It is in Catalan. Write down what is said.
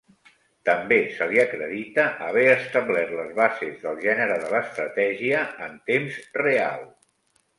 També se li acredita haver establert les bases del gènere de l'estratègia en temps real.